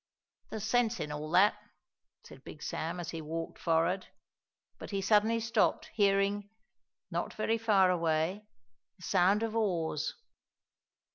"There's sense in all that," said Big Sam as he walked forward. But he suddenly stopped, hearing, not very far away, the sound of oars.